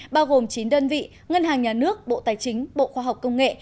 bao gồm chín đơn vị ngân hàng nhà nước bộ tài chính bộ khoa học công nghệ